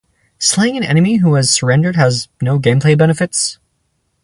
Slaying an enemy who has surrendered has no gameplay benefits.